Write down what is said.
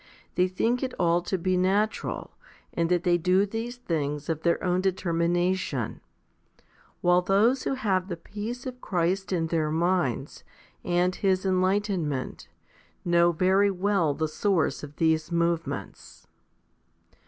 They think it all to be natural, and that they do these things of their own determina tion, while those who have the peace of Christ in their minds, and His enlightenment, know very well the source of these movements.